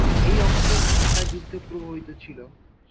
এই অঞ্চল ঠান্ডা যুদ্ধ প্রভাবিত ছিল।